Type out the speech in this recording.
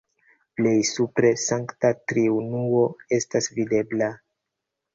Plej supre Sankta Triunuo estas videbla.